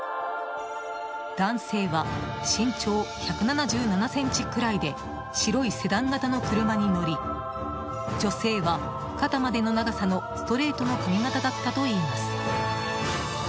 男性は身長１７７ｃｍくらいで白いセダン型の車に乗り女性は、肩までの長さのストレートの髪形だったといいます。